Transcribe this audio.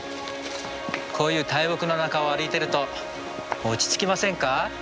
こういう大木の中を歩いてると落ち着きませんか？